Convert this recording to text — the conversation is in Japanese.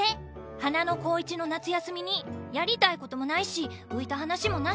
華の高１の夏休みにやりたいこともないし浮いた話もなし。